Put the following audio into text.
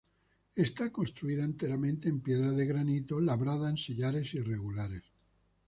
Está construida enteramente en piedra de granito, labrada en sillares irregulares.